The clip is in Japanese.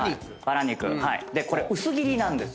これ薄切りなんです。